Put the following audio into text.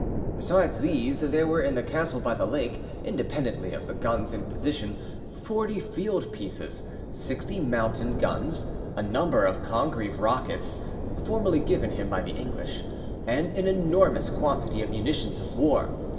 Besides these, there were in the castle by the lake, independently of the guns in position, forty field pieces, sixty mountain guns, a number of Congreve rockets, formerly given him by the English, and an enormous quantity of munitions of war.